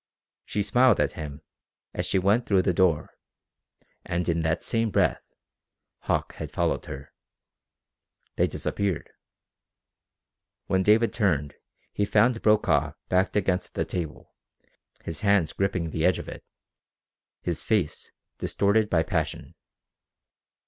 She smiled at him as she went through the door, and in that same breath Hauck had followed her. They disappeared. When David turned he found Brokaw backed against the table, his hands gripping the edge of it, his face distorted by passion.